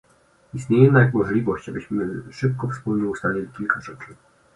Istnieje jednak możliwość, byśmy szybko wspólnie ustalili kilka rzeczy